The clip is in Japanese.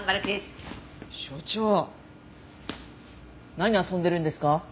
所長何遊んでるんですか？